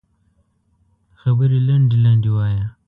خبرې لنډې لنډې وایه